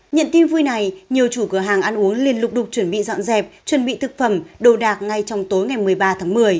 nhận tin vui này nhiều chủ cửa hàng ăn uống liên tục đục chuẩn bị dọn dẹp chuẩn bị thực phẩm đồ đạc ngay trong tối ngày một mươi ba tháng một mươi